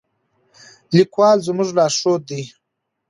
لیکوال زموږ لارښود دی.